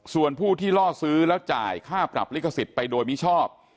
ส่วนผู้ที่ล่อซื้อแล้วจ่ายค่าปรับลิขสิทธิ์ไปโดยมิชอบ